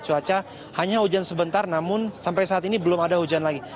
cuaca hanya hujan sebentar namun sampai saat ini belum ada hujan lagi